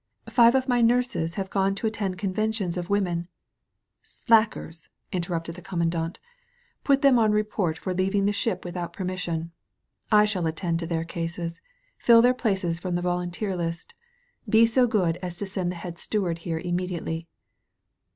Five of my nurses have gone to attend conventions of woman " "Slackers," interrupted the Commandant. "Put £12 THE NEW ERA them on report for leaving the ship without per mission. I shall attend to their cases. Fill their places from the volunteer list. Be so good as to send the head steward here immediately."